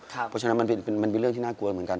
เพราะฉะนั้นมันเป็นเรื่องที่น่ากลัวเหมือนกัน